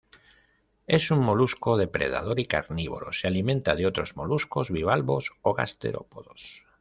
Es un molusco depredador y carnívoro, se alimenta de otros moluscos, bivalvos o gasterópodos.